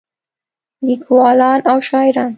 لیکولان او شاعران